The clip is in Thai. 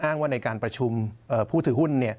ว่าในการประชุมผู้ถือหุ้น